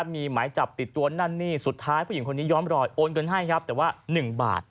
มีหมายจับติดตัวนั่นนี่สุดท้ายผู้หญิงคนนี้ย้อมรอยโอนเงินให้ครับแต่ว่า๑บาท